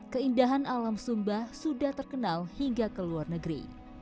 keindahan alam sumba sudah terkenal hingga ke luar negeri